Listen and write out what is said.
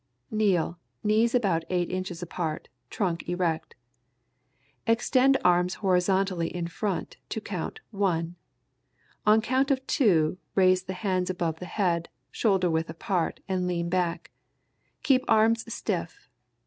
_] Kneel, knees about eight inches apart, trunk erect. Extend arms horizontally in front to count "one." On count of "two" raise the hands above the head, shoulder width apart and lean back. Keep arms stiff.